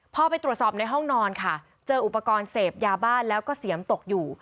พอไปตรวจสอบในห้องนอนค่ะเจออุปกรณ์เสพยาบ้านแล้วก็เสียมตกอยู่